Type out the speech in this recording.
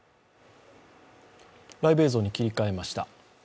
ライブ映像に切り替えました。